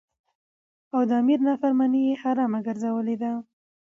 او د امیر نافرمانی یی حرامه ګرځولی ده.